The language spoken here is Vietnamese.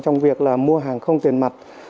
trong việc là mua hàng không tiền mặt